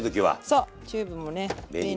そうチューブもね便利。